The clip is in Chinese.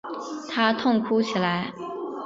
他痛哭起来